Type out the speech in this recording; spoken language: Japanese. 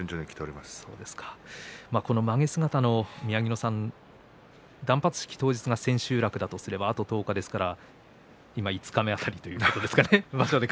まげ姿の宮城野さん断髪式当日が千秋楽とすればあと１０日ですから場所で考えるとあと５日ということですかね。